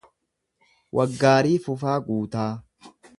Waggaarii Fufaa Guutaa